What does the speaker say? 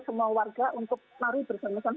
semua warga untuk lari bersama